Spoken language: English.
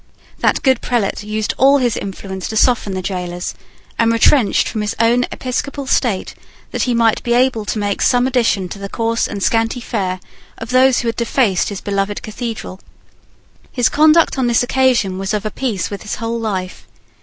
That good prelate used all his influence to soften the gaolers, and retrenched from his own episcopal state that he might be able to make some addition to the coarse and scanty fare of those who had defaced his beloved Cathedral. His conduct on this occasion was of a piece with his whole life.